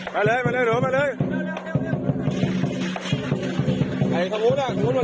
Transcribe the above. มาเลยมาเลยหนูมาเลยเร็วเร็วเร็วไอ้ของนั่นนู้นวันย้อน